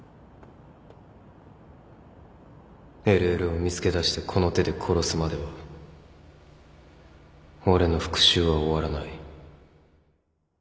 ＬＬ を見つけだしてこの手で殺すまでは俺の復讐は終わらない